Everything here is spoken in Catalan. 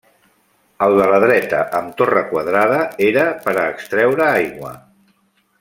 El de la dreta, amb torre quadrada, era per a extreure aigua.